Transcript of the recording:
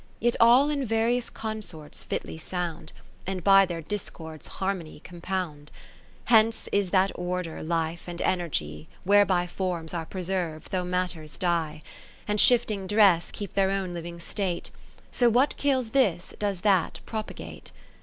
Yet all in various consorts^ fitly sound, And by their discords Harmony compound. 30 Hence is that Order, Life and Energy, Whereby Forms are preserv'd though Matters die ; And, shifting dress, keep their own living state : So that what kills this, does that propagate.